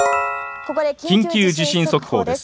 ここで緊急地震速報です。